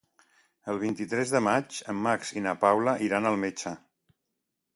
El vint-i-tres de maig en Max i na Paula iran al metge.